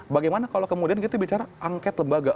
bagaimana kalau kemudian kita bicara angket lembaga